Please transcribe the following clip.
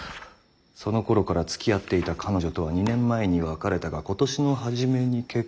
そのころからつきあっていた彼女とは２年前に別れたが今年の初めに結婚式に招待され出席した」。